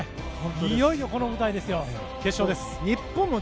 いよいよこの舞台、決勝です。